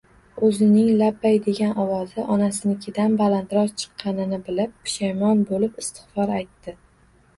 Oʻzining «labbay» degan ovozi onasinikidan balandroq chiqqanini bildi, pushaymon boʻlib, istigʻfor aytdi